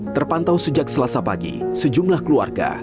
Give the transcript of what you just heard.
terpantau sejak selasa pagi sejumlah keluarga